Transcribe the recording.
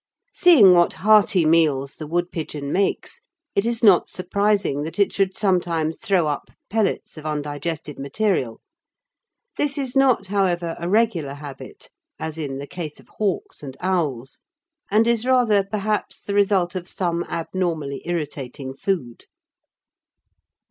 Seeing what hearty meals the woodpigeon makes, it is not surprising that it should sometimes throw up pellets of undigested material. This is not, however, a regular habit, as in the case of hawks and owls, and is rather, perhaps, the result of some abnormally irritating food.